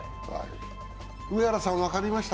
上原さん分かりました？